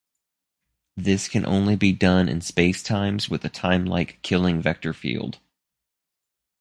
This can only be done in spacetimes with a timelike Killing vector field.